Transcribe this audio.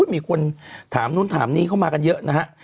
มีคนถามนู่นถามนี่เข้ามากันเยอะนะฮะ